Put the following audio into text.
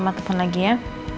ya mama telfon lagi ya